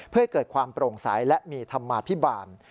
เพื่อให้เกิดความโปร่งใสและมีธรรมาภิบาล